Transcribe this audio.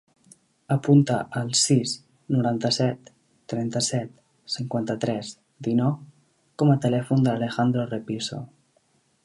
Apunta el sis, noranta-set, trenta-set, cinquanta-tres, dinou com a telèfon de l'Alejandro Repiso.